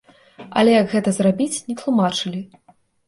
Але як гэта зрабіць, не тлумачылі.